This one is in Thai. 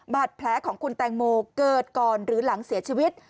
บาดแผลของคุณแตงโมเกิดก่อนหรือหลังเสียชีวิต